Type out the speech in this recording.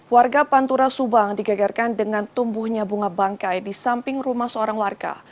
warga pantura subang digagarkan dengan tumbuhnya bunga bangkai di samping rumah seorang warga